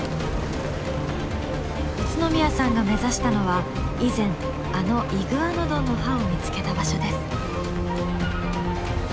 宇都宮さんが目指したのは以前あのイグアノドンの歯を見つけた場所です。